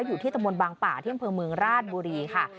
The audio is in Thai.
อยู่ที่ตะมนต์บางป่าเที่ยงเภอเมืองราชบุรีค่ะ